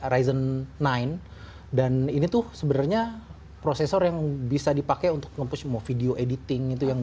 ryzen sembilan dan ini tuh sebenarnya prosesor yang bisa dipakai untuk ngempush mau video editing itu yang